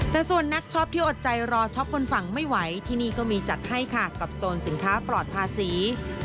แต่ส่วนนักช็อปที่อดใจรอช็อปบนฝั่งไม่ไหวที่นี่ก็มีจัดให้ค่ะกับโซนสินค้าปลอดภาษี